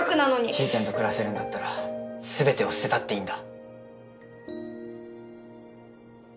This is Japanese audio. ちーちゃんと暮らせるんだったらすべてを捨てたっていいんだ。